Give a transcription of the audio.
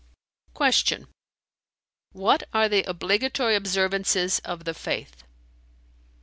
Q "What are the obligatory observances of the Faith?"